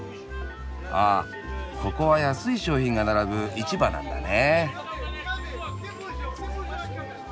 あここは安い商品が並ぶ市場なんだね。